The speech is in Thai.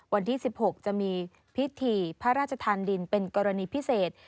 วันที่๑๖จะมีพิธีพระราชทานดินเป็นกรณีพิเศษ